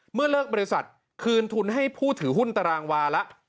เมื่อเลิกบริษัทคืนทุนให้ผู้ถือหุ้นตารางวาละ